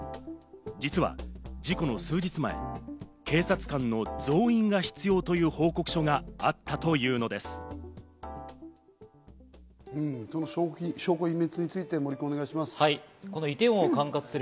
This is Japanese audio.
実は、事故の数日前、警察官の増員が必要という報告書があったというのです。